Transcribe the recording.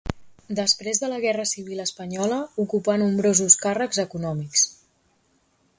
Després de la guerra civil espanyola ocupà nombrosos càrrecs econòmics.